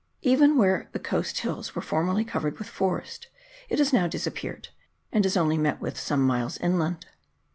Even where the coast hills were formerly covered with forest, it has now disap peared, and is only met with some miles inland.